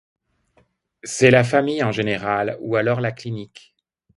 C'est la famille en général, ou alors la clinique.